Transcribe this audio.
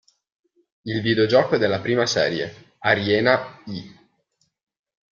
Il videogioco della prima serie, "Ariena~i!